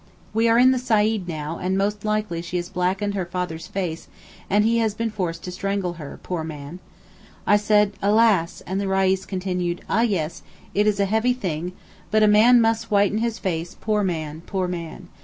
We are in the Saeed now, and most likely she has blackened her father's face, and he has been forced to strangle her, poor man.' I said 'Alas!' and the Reis continued, 'ah, yes, it is a heavy thing, but a man must whiten his face, poor man, poor man.